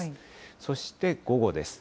そして午後です。